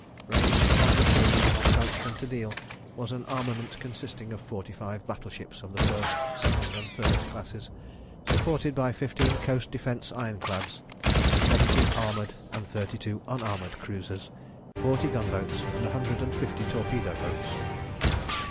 Ranged along the coast from Folkestone to Deal was an armament consisting of forty five battleships of the first, second, and third classes, supported by fifteen coast defence ironclads, seventy armoured and thirty two unarmoured cruisers, forty gunboats, and a hundred and fifty torpedo boats.